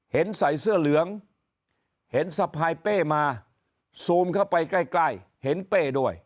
ใส่เสื้อเหลืองเห็นสะพายเป้มาซูมเข้าไปใกล้เห็นเป้ด้วย